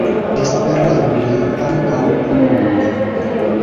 Espereble ankaŭ plue.